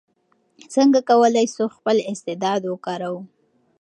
څنګه کولای سو خپل استعداد وکاروو؟